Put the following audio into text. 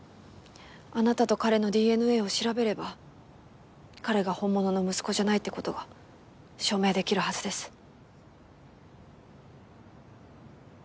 あなたと彼のＤＮＡを調べれば彼が本物の息子じゃないって事が証明できるはずです。